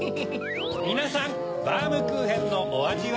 みなさんバームクーヘンのおあじは？